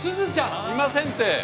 いませんって。